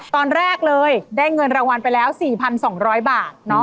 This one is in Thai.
ตอนแรกเลยได้เงินรางวัลไปแล้ว๔๒๐๐บาท